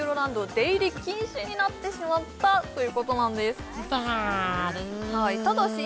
出入り禁止になってしまったということなんですだりぃ